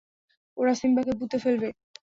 ওরা সিম্বাকে পুঁতে ফেলবে।